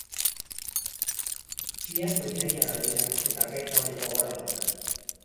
Biak britainiarrak dira eta harkaitza baino gogorragoak.